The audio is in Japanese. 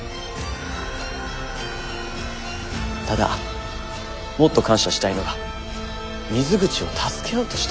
ただもっと感謝したいのは水口を助けようとしたことだ。